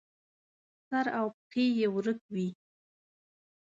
سر او پښې یې ورک وي.